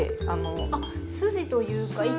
あっ筋というか一本ね。